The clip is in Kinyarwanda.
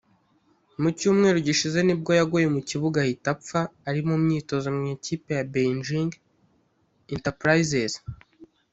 Mu cyumweru gishize nibwo yaguye mu kibuga ahita apfa ari mu myitozo mu ikipe ya Beijing Enterprises